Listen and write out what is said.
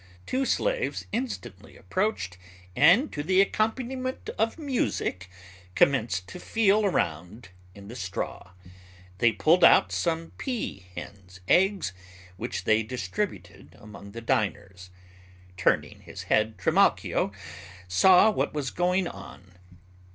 Two slaves instantly approached, and to the accompaniment of music, commenced to feel around in the straw. They pulled out some pea hen's eggs, which they distributed among the diners. Turning his head, Trimalchio saw what was going on.